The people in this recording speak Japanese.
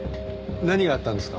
何があったんですか？